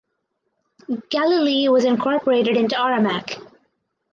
Galilee was incorporated into Aramac.